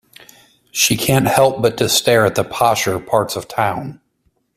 She can't help but to stare at the posher parts of town.